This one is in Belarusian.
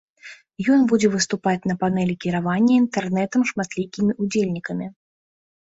Ён будзе выступаць на панэлі кіравання інтэрнэтам шматлікімі ўдзельнікамі.